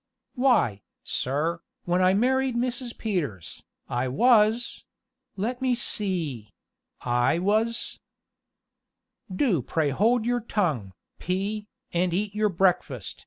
"Why, sir, when I married Mrs. Peters, I was let me see I was " "Do pray hold your tongue, P., and eat your breakfast!"